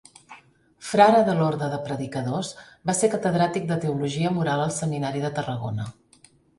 Frare de l'Orde de Predicadors, va ser catedràtic de teologia moral al seminari de Tarragona.